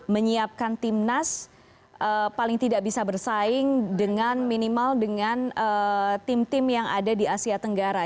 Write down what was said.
menyiapkan timnas paling tidak bisa bersaing dengan minimal dengan tim tim yang ada di asia tenggara